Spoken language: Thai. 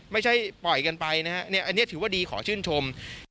ไม่ใช่ปล่อยกันไปนะฮะอันนี้ถือว่าดีขอชื่นชม